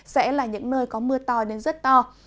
sẽ là những nơi có mưa to đến rất to